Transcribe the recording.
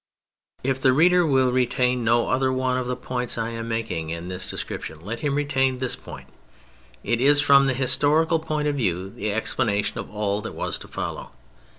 If the reader will retain no other one of the points I am making in this description, let him retain this point: it is, from the historical point of view, the explanation of all that was to follow.